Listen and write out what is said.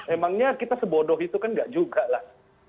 emangnya kita sebodoh itu kan enggak juga lah